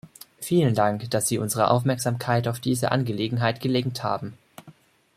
Vielen Dank, dass Sie unsere Aufmerksamkeit auf diese Angelegenheit gelenkt haben.